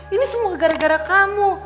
ini semua gara gara kamu